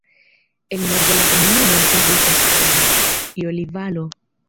En nordo la komunumo etendiĝas al la Joli-Valo.